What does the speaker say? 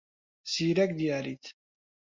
زیرەک دیاریت.